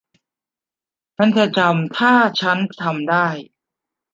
ฉันจะจำ ถ้าฉันทำได้